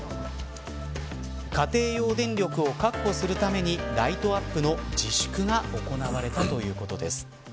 家庭用電力を確保するためにライトアップの自粛が行われたということです。